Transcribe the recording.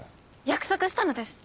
約束したのです。